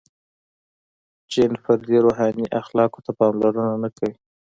• جن فردي روحاني اخلاقو ته پاملرنه نهکوي.